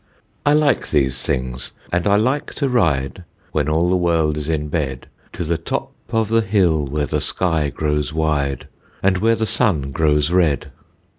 I like these things, and I like to ride When all the world is in bed, To the top of the hill where the sky grows wide, And where the sun grows red.